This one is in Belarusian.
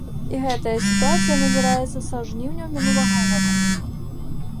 І гэтая сітуацыя назіраецца са жніўня мінулага года!